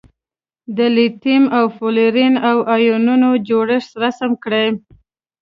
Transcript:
د لیتیم او فلورین د ایونونو جوړښت رسم کړئ.